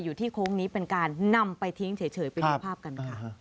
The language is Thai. อยู่ที่โค้งนี้เป็นการนำไปทิ้งเฉยในภาพกัน